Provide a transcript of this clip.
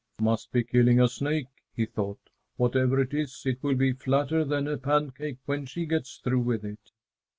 "Must be killing a snake," he thought. "Whatever it is, it will be flatter than a pancake when she gets through with it."